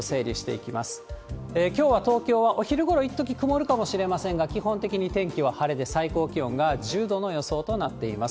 きょうは東京はお昼ごろ、一時曇るかもしれませんが、基本的に天気は晴れで、最高気温が１０度の予想となっています。